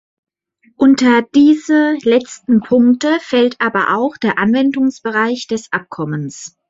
Unter diese letzten Punkte fällt aber auch der Anwendungsbereich des Abkommens.